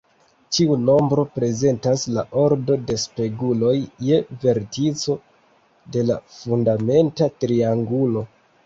Ĉiu nombro prezentas la ordo de speguloj je vertico de la fundamenta triangulo.